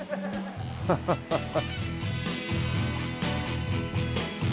ハハハハ。